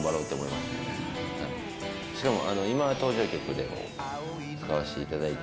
しかも。